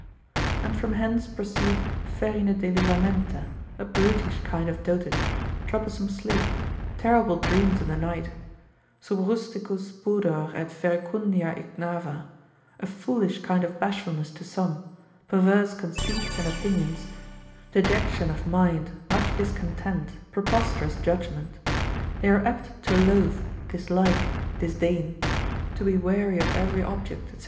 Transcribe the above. And from hence proceed ferina deliramenta, a brutish kind of dotage, troublesome sleep, terrible dreams in the night, subrusticus pudor et verecundia ignava, a foolish kind of bashfulness to some, perverse conceits and opinions, dejection of mind, much discontent, preposterous judgment. They are apt to loath, dislike, disdain, to be weary of every object, &c.